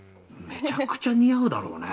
めちゃくちゃ似合うだろうね。